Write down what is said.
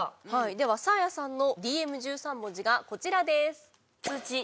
ではサーヤさんのＤＭ１３文字がこちらです。